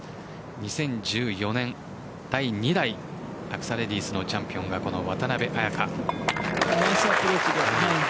２０１４年第２代アクサレディスのチャンピオンがナイスアプローチです。